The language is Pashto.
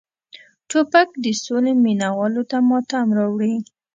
توپک د سولې مینه والو ته ماتم راوړي.